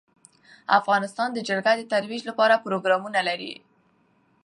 افغانستان د جلګه د ترویج لپاره پروګرامونه لري.